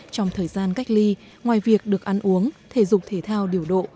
trong thời gian cách ly ngoài việc được ăn uống thể dục thể thao điều độ